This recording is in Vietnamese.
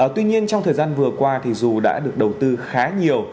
tuy nhiên trong thời gian vừa qua thì dù đã được đầu tư khá nhiều